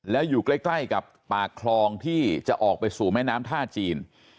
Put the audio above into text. แล้วอยู่ใกล้กับปากคลองที่จะออกไปสู่แม่น้ำท่าจีน